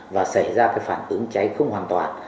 và xảy ra cái phản ứng cháy không hoàn toàn